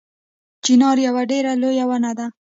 چنار یوه ډیره لویه ونه ده